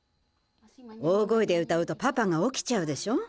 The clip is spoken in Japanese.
大声で歌うとパパがおきちゃうでしょ。